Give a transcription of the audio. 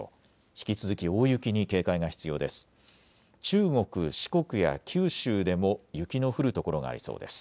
引き続き大雪に警戒が必要です。